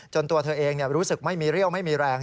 ตัวเธอเองรู้สึกไม่มีเรี่ยวไม่มีแรง